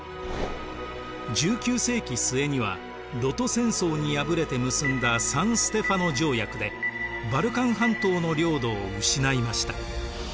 １９世紀末には露土戦争に敗れて結んだサン・ステファノ条約でバルカン半島の領土を失いました。